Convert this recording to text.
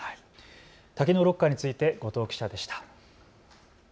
多機能ロッカーについて後藤記者でした。